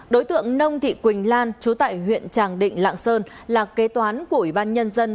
đối tượng nông thị quỳnh lan chú tại huyện tràng định lạng sơn là kế toán của ủy ban nhân dân